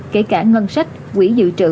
kể cả ngân sách quỹ dự trữ